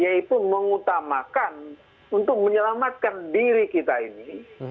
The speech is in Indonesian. yaitu mengutamakan untuk menyelamatkan diri kita ini